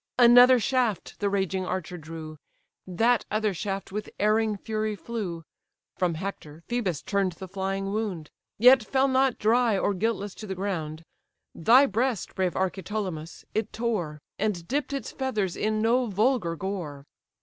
Another shaft the raging archer drew, That other shaft with erring fury flew, (From Hector, Phœbus turn'd the flying wound,) Yet fell not dry or guiltless to the ground: Thy breast, brave Archeptolemus! it tore, And dipp'd its feathers in no vulgar gore.